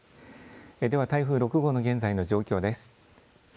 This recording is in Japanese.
では台風６号の現在の状況です。